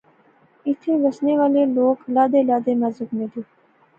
ایتھیں بسنے رہنے والے لوک لادے لادے مذہب نے دے